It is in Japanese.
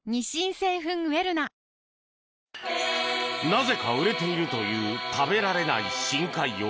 なぜか売れているという食べられない深海魚。